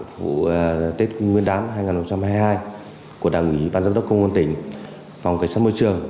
phục vụ tết nguyên đán hai nghìn hai mươi hai của đảng ủy ban giám đốc công an tỉnh phòng cảnh sát môi trường